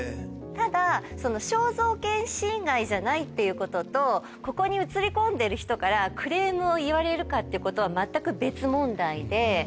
ただ肖像権侵害じゃないっていうこととここに写り込んでる人からクレームを言われるかっていうことは全く別問題で。